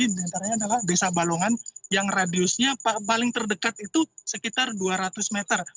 di antaranya adalah desa balongan yang radiusnya paling terdekat itu sekitar dua ratus meter